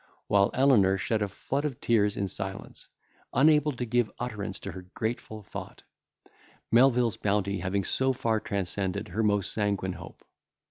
While Elenor shed a flood of tears in silence, unable to give utterance to her grateful thought; Melvil's bounty having so far transcended her most sanguine hope.